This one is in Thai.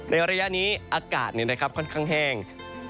ในระยะนี้อากาศเนี่ยนะครับค่อนข้างแห้ง